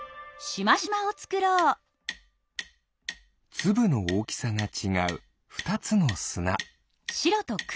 つぶのおおきさがちがうふたつのすな。